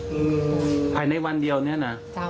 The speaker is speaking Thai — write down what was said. อื้อคืนผ่านในวันเดียวนี่นะ